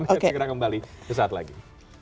kita segera kembali ke saat lagi